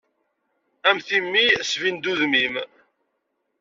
Am timmi sbin-d udem-im.